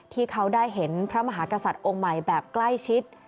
ที่เขาได้เห็นพระมหากษัตริย์องค์ใหม่แบบใกล้ชิด